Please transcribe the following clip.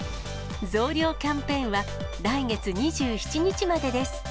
増量キャンペーンは、来月２７日までです。